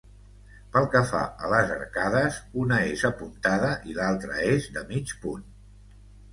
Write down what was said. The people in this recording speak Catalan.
Pel que fa a les arcades una és apuntada i l'altra és de mig punt.